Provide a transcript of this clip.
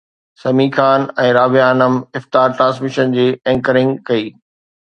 سميع خان ۽ رابعه انعم افطار ٽرانسميشن جي اينڪرنگ ڪئي